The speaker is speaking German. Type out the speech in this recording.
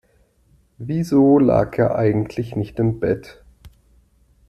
Wieso lag er eigentlich nicht im Bett?